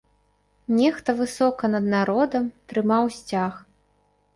Нехта высока над народам трымаў сцяг.